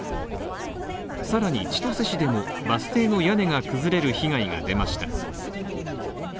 更に千歳市でもバス停の屋根が崩れる被害が出ました。